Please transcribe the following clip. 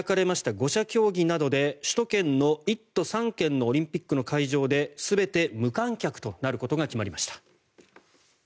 ５者協議などで首都圏の１都３県のオリンピックの会場で全て無観客となることが決まりました。